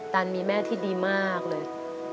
ตันมีแม่ที่ดีมากเลย